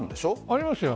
ありますよ。